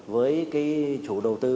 với chủ đầu tư